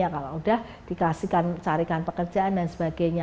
kalau sudah dikasihkan carikan pekerjaan dan sebagainya